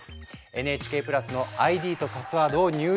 ＮＨＫプラスのＩＤとパスワードを入力